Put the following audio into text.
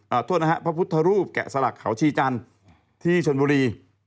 โทษนะฮะพระพุทธรูปแกะสลักเขาชีจันทร์ที่ชนบุรี